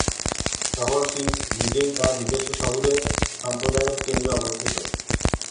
শহরটি নিজেই তার নিজস্ব শহুরে সম্প্রদায়ের কেন্দ্রে অবস্থিত।